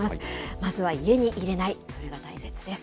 まずは家に入れない、それが大切です。